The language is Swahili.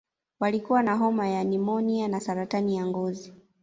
Walikuwa na homa ya pneumonia na saratani ya ngozi